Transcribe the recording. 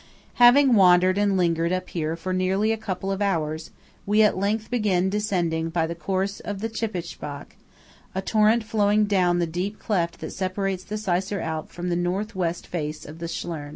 Having wandered and lingered up here for nearly a couple of hours, we at length begin descending by the course of the Tschippitbach, a torrent flowing down the deep cleft that separates the Seisser Alp from the North West face of the Schlern.